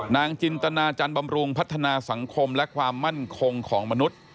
จินตนาจันบำรุงพัฒนาสังคมและความมั่นคงของมนุษย์